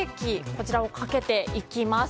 こちらをかけていきます。